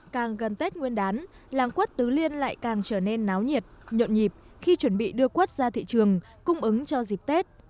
càng gần tết nguyên đán làng quất tứ liên lại càng trở nên náo nhiệt nhộn nhịp khi chuẩn bị đưa quất ra thị trường cung ứng cho dịp tết